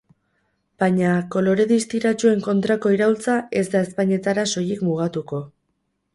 Baina, kolore distiratsuen kontrako iraultza ez da ezpainetara soilik mugatuko.